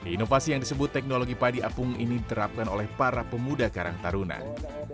inovasi yang disebut teknologi padi apung ini diterapkan oleh para pemuda karang tarunan